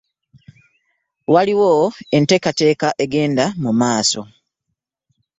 Waliwo enteekateeka egenda mu maaso.